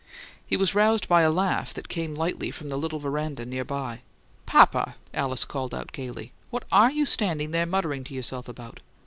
He was roused by a laugh that came lightly from the little veranda near by. "Papa!" Alice called gaily. "What are you standing there muttering to yourself about?"